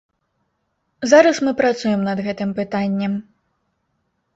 Зараз мы працуем над гэтым пытаннем.